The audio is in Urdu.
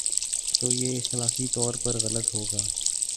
تو یہ اخلاقی طور پر غلط ہو گا۔